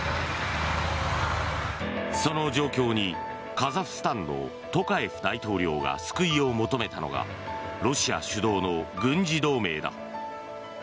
その状況にカザフスタンのトカエフ大統領が救いを求めたのがロシア主導の軍事同盟だ。